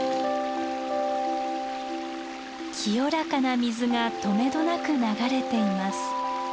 清らかな水がとめどなく流れています。